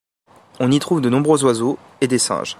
On y trouve de nombreux oiseaux et des singes.